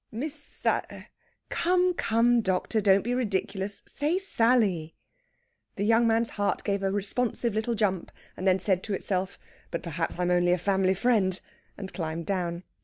"Miss Sa...." "Come, come, doctor! Don't be ridiculous. Say Sally!" The young man's heart gave a responsive little jump, and then said to itself, "But perhaps I'm only a family friend!" and climbed down.